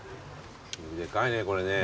でかいねこれね。